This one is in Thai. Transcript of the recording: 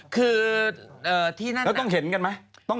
คือเราต้องเห็นกันไหม